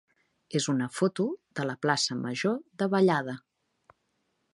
és una foto de la plaça major de Vallada.